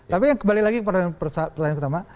tapi yang kembali lagi pertanyaan pertama